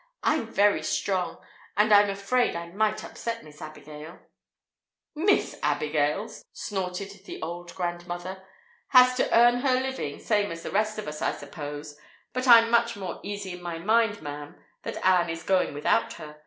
I'm very strong; and I'm afraid I might upset Miss Abigail." "Miss Abigail!" snorted the old grandmother. "Has to earn her living same as the rest of us, I suppose! But I'm much more easy in my mind, ma'am, that Ann is going without her.